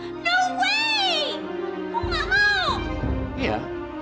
sama tristan tidak